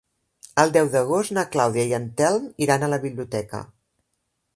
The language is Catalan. El deu d'agost na Clàudia i en Telm iran a la biblioteca.